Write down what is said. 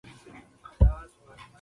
زیاته